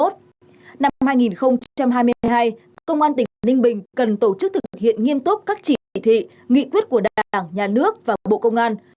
năm hai nghìn hai mươi hai công an tỉnh ninh bình cần tổ chức thực hiện nghiêm túc các chỉ thị nghị quyết của đảng nhà nước và bộ công an